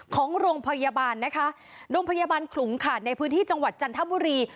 ของโรงพยาบาลนะคะโรงพยาบาลขลุงค่ะในพื้นที่จังหวัดจันทบุรี